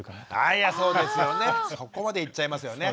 そこまでいっちゃいますよね。